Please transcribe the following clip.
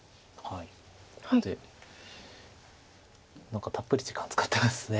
何かたっぷり時間使ってますね。